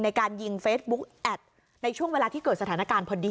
ในการยิงเฟซบุ๊กแอดในช่วงเวลาที่เกิดสถานการณ์พอดี